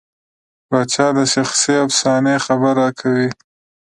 پاچا د شخصي افسانې خبره کوي.